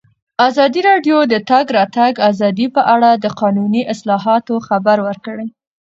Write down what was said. ازادي راډیو د د تګ راتګ ازادي په اړه د قانوني اصلاحاتو خبر ورکړی.